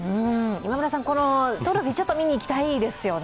今村さん、トロフィーちょっと見にいきたいですよね。